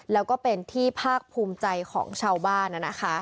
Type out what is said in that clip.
แล้วก็เป็นที่ภาคภูมิใจของชาวบ้าน